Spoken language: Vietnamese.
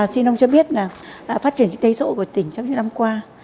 xin ông cho biết là phát triển tây sộ của tỉnh trong những năm qua